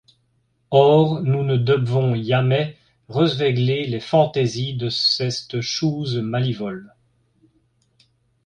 Ores, nous ne debvons iamais resveigler les phantaisies de ceste chouse malivole.